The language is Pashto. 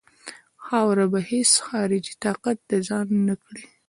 خاوره به هیڅ خارجي طاقت د ځان نه کړي.